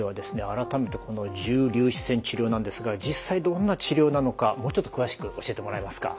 改めてこの重粒子線治療なんですが実際どんな治療なのかもうちょっと詳しく教えてもらえますか。